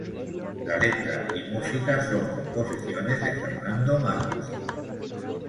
La letra y música son composiciones de Fernando Martz.